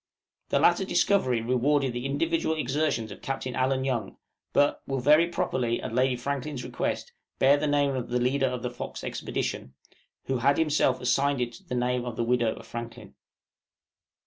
The latter discovery rewarded the individual exertions of Captain Allen Young, but will very properly, at Lady Franklin's request, bear the name of the leader of the 'Fox' expedition, who had himself assigned to it the name of the widow of Franklin.